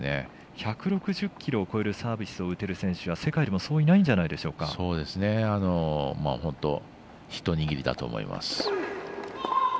１６０キロを超えるサービスを打てる選手は世界でも本当、一握りだと思います。